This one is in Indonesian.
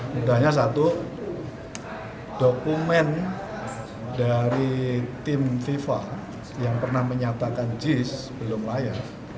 mudahnya satu dokumen dari tim fifa yang pernah menyatakan jis belum layak